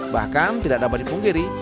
bahkan tidak dapat dipungkiri